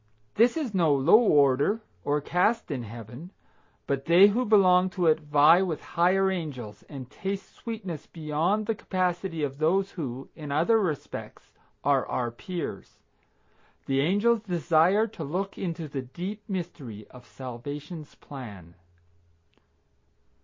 This is no low order or caste in Heaven, but they who belong to it vie with higher angels, and taste sweetness beyond the capacity of those who, in other respects, are our peers. The angels desire to look into the deep mystery of salvation's plan.